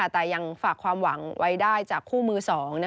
แต่ยังฝากความหวังไว้ได้จากคู่มือ๒